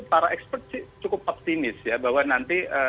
para expert cukup optimis ya bahwa nanti